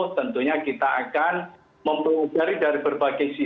tentunya kita akan mempelajari dari berbagai sisi